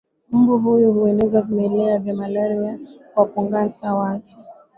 mbu huyu hueneza vimelea vya malaria kwa kungata watu